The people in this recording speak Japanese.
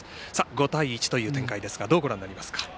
５対１という展開ですがどうご覧になりますか？